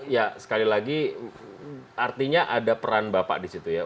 ya sekali lagi artinya ada peran bapak disitu ya